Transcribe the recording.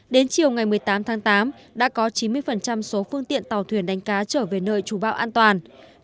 đến chiều ngày một mươi tám tháng tám đã có chín mươi số phương tiện tàu thuyền đánh cá trở về nơi chủ bão an toàn